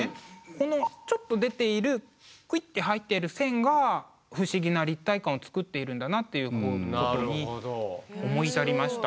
このちょっと出ているクイって入ってる線が不思議な立体感を作っているんだなっていうところに思い至りました。